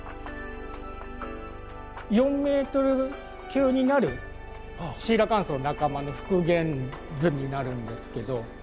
４ｍ級になるシーラカンスの仲間の復元図になるんですけど。